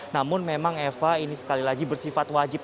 namun memang eva ini sekali lagi bersifat wajib